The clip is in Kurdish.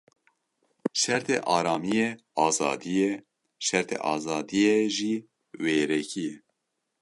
Şertê aramiyê azadî ye, şertê azadiyê jî wêrekî ye.